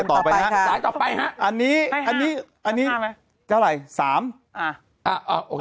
ต่อไปค่ะสายต่อไปฮะอันนี้อันนี้อันนี้เจ้าไหล่สามอ่ะอ่า